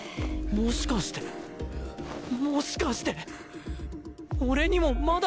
もしかしてもしかして俺にもまだ